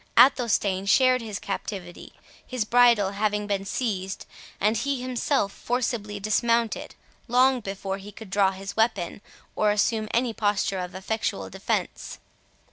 Athelstane shared his captivity, his bridle having been seized, and he himself forcibly dismounted, long before he could draw his weapon, or assume any posture of effectual defence.